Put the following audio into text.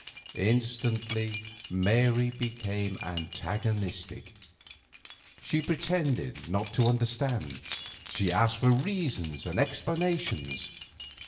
Instantly Mary became antagonistic. She pretended not to understand; she asked for reasons and explanations.